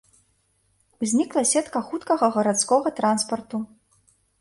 Узнікла сетка хуткага гарадскога транспарту.